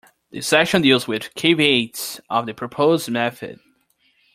This section deals with the caveats of the proposed method.